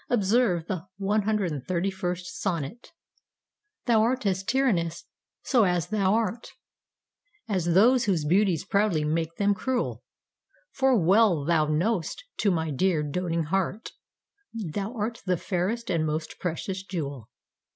Observe the 131st sonnet: *T*hou art as tyrannous, so as thou art *A*s those whose beauties proudly make them cruel; *F*or well thou know'st to my dear doting heart *T*hou art the fairest and most precious jewel.